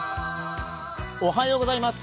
おはようございます。